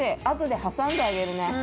あとで挟んであげるね。